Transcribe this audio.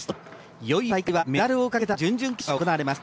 いよいよ大会はメダルをかけた準々決勝が行われます。